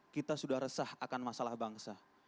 kita sudah resah akan masalah bangsa